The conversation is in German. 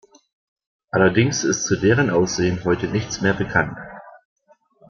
Allerdings ist zu deren Aussehen heute nichts mehr bekannt.